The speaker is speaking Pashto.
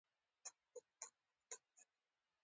زه له ښو خلکو سره ناستې خوښوم.